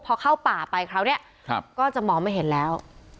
พอเข้าป่าไปคราวนี้ก็จะมองไม่เห็นแล้ว